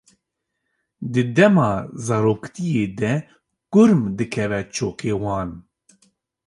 Di dema zaroktiyê de kurm dikeve çokê wan.